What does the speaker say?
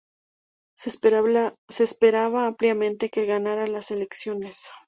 Se esperaba ampliamente que ganara las elecciones.